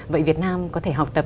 vậy việt nam có thể học tập